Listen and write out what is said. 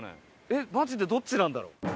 えっマジでどっちなんだろう？